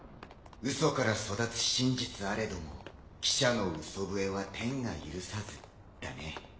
嘘から育つ真実あれども記者のうそぶえは天が許さずだね。